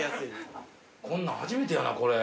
こんなん初めてやなこれ。